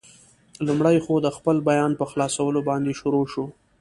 لومړی خو، د خپل بیان په خلاصولو باندې شروع شو.